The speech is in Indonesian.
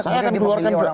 saya akan keluarkan